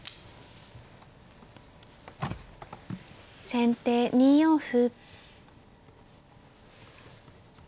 先手２四歩。